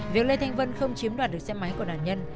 việc lê thanh vân không chiếm đoạt được xe máy của nạn nhân